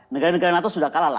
negara negara nato sudah kalah lah